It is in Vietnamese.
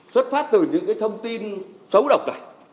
xuất phát từ những cái thông tin xấu độc này